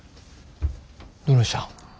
どないしたん。